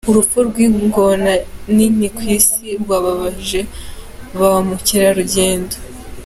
Urupfu rw’ingona nini ku Isi rwababaje ba mukerarugendo